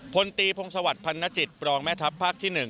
พลตีพรงศวัฒน์พัณธจิตปรองแม่ทัพภาคที่๑